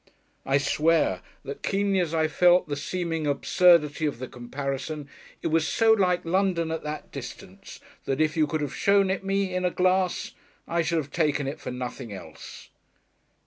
I swear, that keenly as I felt the seeming absurdity of the comparison, it was so like London, at that distance, that if you could have shown it me, in a glass, I should have taken it for nothing else.